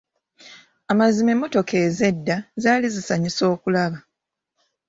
Amazima emmotoka ez'edda zaali zisanyusa okulaba.